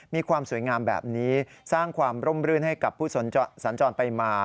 มีความสวยงามแบบนี้สร้างความร่มรื่นให้กับผู้สัญจรไปมา